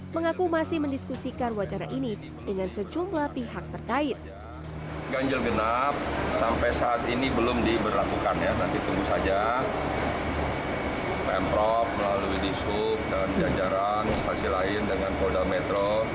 mengaku masih mendiskusikan wacana ini dengan sejumlah pihak terkait